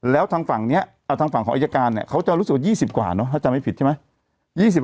แล้วทางฝั่งของอัยการเขาจะรู้สึกว่า๒๐กว่าถ้าจำไม่ผิดใช่ไหม